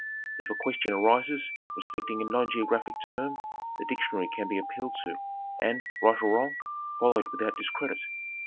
If a question arises respect ing a non geographic term the dictionary can be appealed to and, right or wrong, followed without discredit.